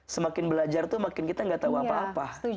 semakin belajar tuh makin kita gak tau apa apa